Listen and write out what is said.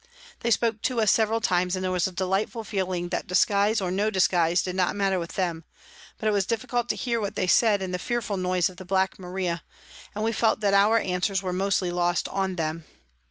They spoke to us several times, and there was a delightful feeling that disguise or no disguise did not matter with them, but it was difficult to hear what they said in the fearful noise of the Black Maria, and we felt that our answers were mostly lost on them.